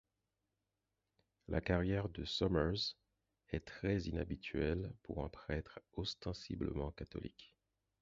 La carrière de Summers est très inhabituelle pour un prêtre ostensiblement catholique.